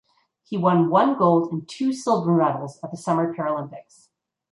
He won one gold and two silver medals at the Summer Paralympics.